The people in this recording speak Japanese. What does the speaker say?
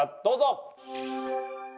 どうぞ！